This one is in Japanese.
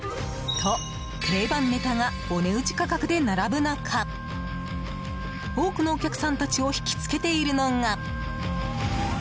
と、定番ネタがお値打ち価格で並ぶ中多くのお客さんたちを引き付けているのが。